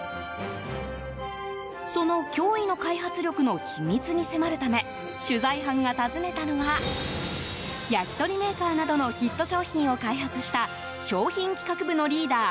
その驚異の開発力の秘密に迫るため取材班が訪ねたのは焼き鳥メーカーなどのヒット商品を開発した商品企画部のリーダー